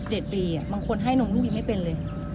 เด็กปีอะบางคนให้นุ่มลูกยังไม่เป็นเลย